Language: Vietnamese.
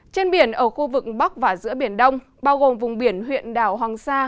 trên biển ở khu vực bắc và giữa biển đông bao gồm vùng biển huyện đảo hoàng sa